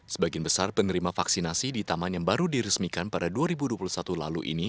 sebagian besar penerima vaksinasi di taman yang baru diresmikan pada dua ribu dua puluh satu lalu ini